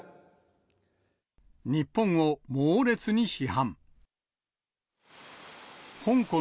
日本を猛烈に批判。